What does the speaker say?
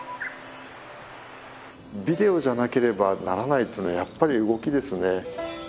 ビデオじゃなければならないというのはやっぱり動きですね。